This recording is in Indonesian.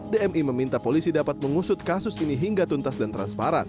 dmi meminta polisi dapat mengusut kasus ini hingga tuntas dan transparan